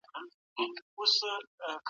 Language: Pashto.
د کار ځواک د روزنې پروګرامونه پراخې پایلې لري.